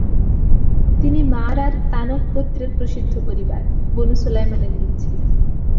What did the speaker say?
তিনি মা’আরার তানুখ গোত্রের প্রসিদ্ধ পরিবার, বনু সোলায়মানের লোক ছিলেন।